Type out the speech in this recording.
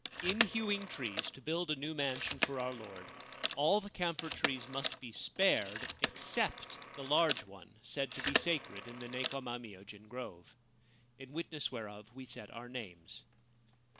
In hewing trees to build a new mansion for our lord, all the camphor trees must be spared except the large one said to be sacred in the Nekoma myojin grove. In witness whereof we set our names.